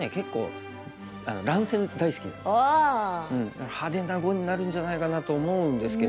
だから派手な碁になるんじゃないかなと思うんですけど。